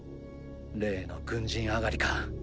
例の軍人上がりか。